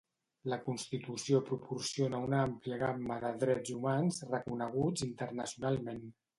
La constitució proporciona una àmplia gamma de drets humans reconeguts internacionalment.